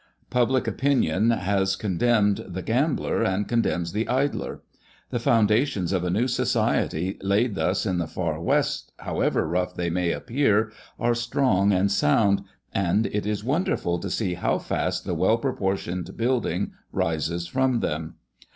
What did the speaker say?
Public opinion has condemned the gambler, and condemns the idler. The foundations of a new society laid thus in the Far West, however rough they may appear, are strong and sound, and it is wonderful to see how fast the well proportioned building rises from them.